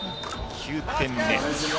９点目。